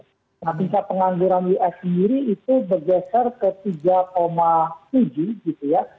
nah tingkat pengangguran us sendiri itu bergeser ke tiga tujuh gitu ya